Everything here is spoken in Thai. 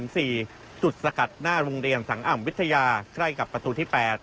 จุดสกัดหน้าโรงเรียนสังอ่ำวิทยาใกล้กับประตูที่๘